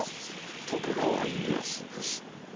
徳川家康です。